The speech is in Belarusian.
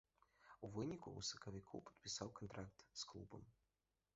У выніку, у сакавіку падпісаў кантракт з клубам.